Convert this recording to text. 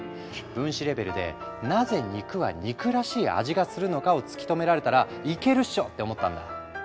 分子レベルでなぜ肉は肉らしい味がするのかを突き止められたらいけるっしょ！って思ったんだ。